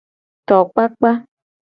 Tokpakpa.